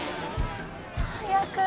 早く。